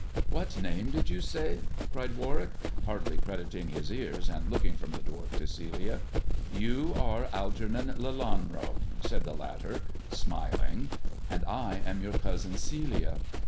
What name did you say 1 " cried Warwick, hardly crediting his ears, and looking from the dwarf to Celia. " You are Algernon Lelanro," said the latter, smiling, and I am your cousin Celia.